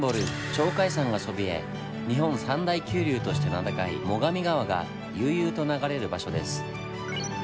鳥海山がそびえ日本三大急流として名高い最上川が悠々と流れる場所です。